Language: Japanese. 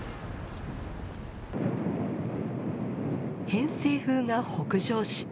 偏西風が北上し